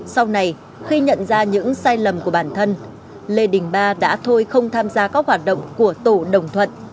sau này khi nhận ra những sai lầm của bản thân lê đình ba đã thôi không tham gia các hoạt động của tổ đồng thuận